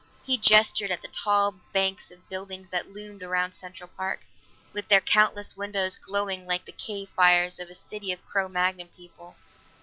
He gestured at the tall banks of buildings that loomed around Central Park, with their countless windows glowing like the cave fires of a city of Cro Magnon people.